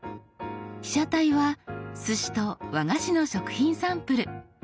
被写体はすしと和菓子の食品サンプル。